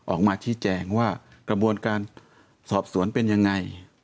ออกมาชี้แจงว่ากระบวนการสอบสวนเป็นยังไง